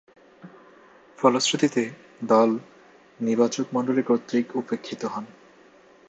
ফলশ্রুতিতে, দল নির্বাচকমণ্ডলী কর্তৃক উপেক্ষিত হন।